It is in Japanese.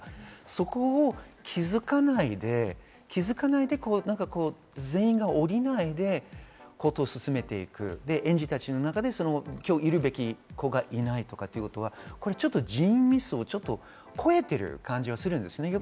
そこを気づかないで、全員が降りないでことを進めていく、園児たちの中で今日、いるべき子がいないとかっていうことは人為ミスを超えている感じがします。